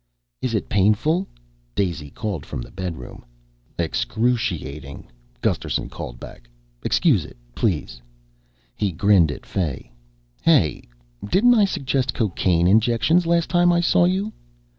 "Is it painful?" Daisy called from the bedroom. "Excruciating," Gusterson called back. "Excuse it, please," he grinned at Fay. "Hey, didn't I suggest cocaine injections last time I saw you?"